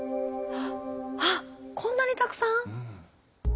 あっこんなにたくさん？